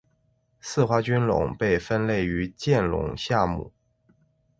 似花君龙被分类于剑龙下目。